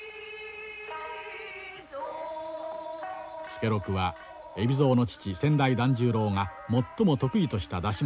「助六」は海老蔵の父先代團十郎が最も得意とした出し物であった。